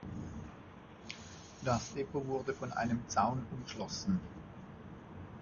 Das Depot wurde von einem Zaun umschlossen.